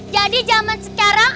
jadi zaman sekarang